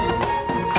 masih ada yang nangis